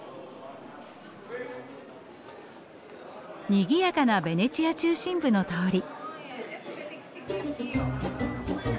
にぎやかなベネチア中心部の通り。